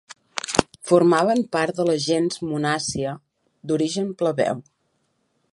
Formaven part de la gens Munàcia, d'origen plebeu.